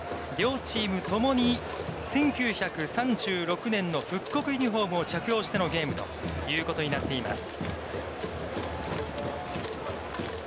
両チームともに１９３６年の復刻ユニホームを着用してのゲームということになっています。